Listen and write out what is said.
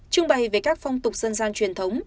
trưng bày về các phong tục dân gian truyền thống